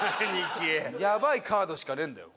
やばいカードしかねえんだよ